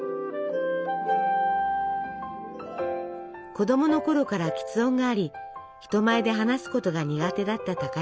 子供のころからきつ音があり人前で話すことが苦手だった高山さん。